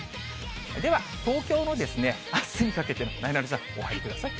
では、東京のあすにかけての、なえなのさん、お入りください。